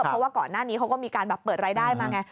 เพราะว่าก่อนหน้านี้เขาก็มีการแบบเปิดรายได้มาไง